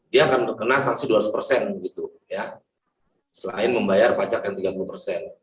dia akan berkena saksi dua ratus persen gitu ya selain membayar pajak yang tiga puluh persen